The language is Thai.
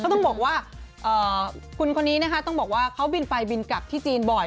ต้องบอกว่าคุณคนนี้นะคะต้องบอกว่าเขาบินไปบินกลับที่จีนบ่อย